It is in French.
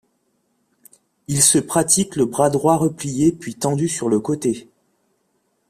Il se pratique le bras droit replié puis tendu sur le côté.